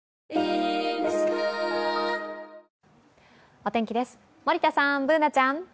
お天気です、森田さんＢｏｏｎａちゃん。